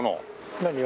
何を？